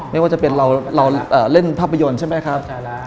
ไม่ว่าจะเป็นเราเล่นภาพยนตร์ใช่ไหมครับ